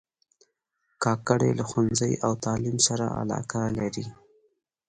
کاکړي له ښوونځي او تعلیم سره علاقه لري.